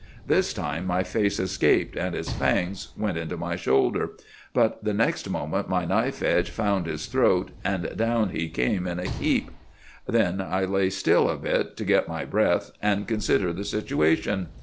This time my face escaped, and his fangs went into my shoulder; but the next moment my knife edge found his throat, and down he came in a heap. Then I lay still a bit, to get my breath and consider the situation.